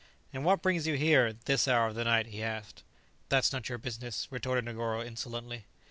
"And what brings you here, this hour of the night?" he asked. "That's not your business," retorted Negoro insolently.